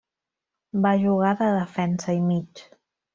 Va jugar de defensa i mig.